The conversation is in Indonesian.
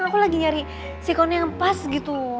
aku lagi nyari si kawan yang pas gitu